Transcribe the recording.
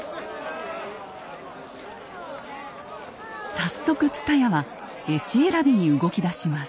早速蔦屋は絵師選びに動きだします。